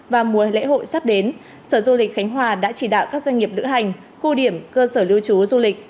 và mùa lễ hội sắp đến sở du lịch khánh hòa đã chỉ đạo các doanh nghiệp lữ hành khu điểm cơ sở lưu trú du lịch